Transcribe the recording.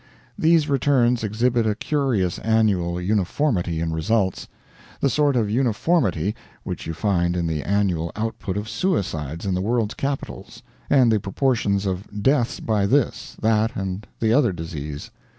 These returns exhibit a curious annual uniformity in results; the sort of uniformity which you find in the annual output of suicides in the world's capitals, and the proportions of deaths by this, that, and the other disease.